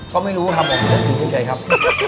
ก็ไม่รู้ครับผมนึกถึงเฉยครับ